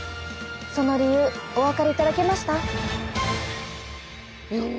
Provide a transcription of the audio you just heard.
その理由お分かりいただけました？